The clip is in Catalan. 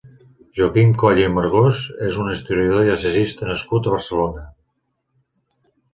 Joaquim Coll i Amargós és un historiador i assagista nascut a Barcelona.